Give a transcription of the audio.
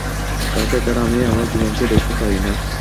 তাকে ছাড়া আমি আমার জীবনকে দেখতে পারি না।